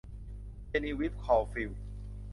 เจนีวีฟ คอล์ฟิลด์